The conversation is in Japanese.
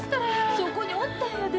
そこにおったんやで。